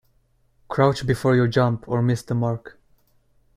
Crouch before you jump or miss the mark.